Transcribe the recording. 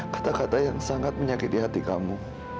kata kata yang sangat menyakiti hati kamu